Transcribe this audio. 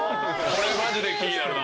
これマジで気になるな。